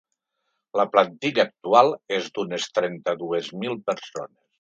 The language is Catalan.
La plantilla actual és d’unes trenta-dues mil persones.